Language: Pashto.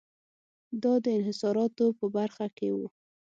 دا د انحصاراتو په برخه کې و.